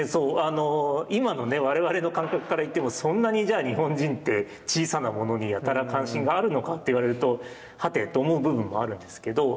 今の我々の感覚から言ってもそんなにじゃあ日本人って小さなものにやたら関心があるのかって言われるとはて？と思う部分もあるんですけど。